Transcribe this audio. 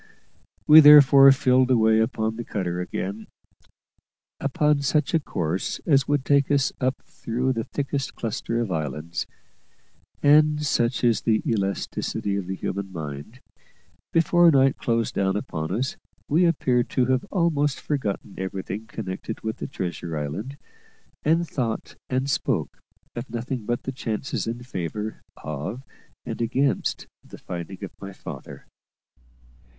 We therefore filled away upon the cutter again, upon such a course as would take us up through the thickest cluster of islands; and, such is the elasticity of the human mind, before night closed down upon us we appeared to have almost forgotten everything connected with the treasure island, and thought and spoke of nothing but the chances in favour of and against the finding of my father.